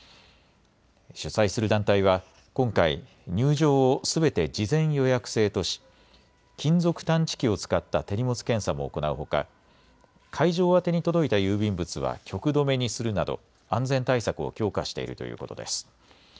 主催する団体は今回、入場をすべて事前予約制とし金属探知機を使った手荷物検査も行うほか、会場宛に届いた郵便物は局留めにするなど安全対策を強化しているということです。